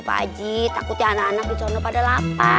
pak haji takutnya anak anak disono pada lapar